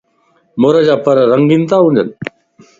مورَ جا پرَ رنگين تا ھونجن